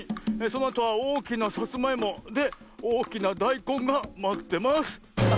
そのあとはおおきなさつまいも。でおおきなだいこんがまってます」。